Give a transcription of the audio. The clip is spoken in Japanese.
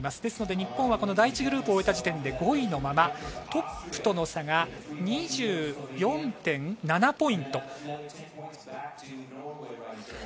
ですので日本は第１グループを追えた時点で５位のままトップとの差が２４．７ポイント。